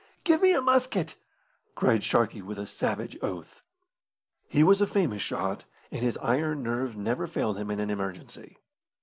"Give me a musket!" cried Sharkey, with a savage oath. He was a famous shot, and his iron nerves never failed him in an emergency.